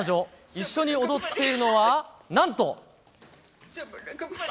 一緒に踊っているのは、なんと。